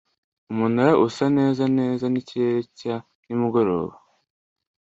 umunara usa neza neza n'ikirere cya nimugoroba